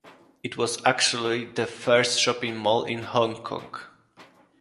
It was actually the first Shopping mall in Hong Kong.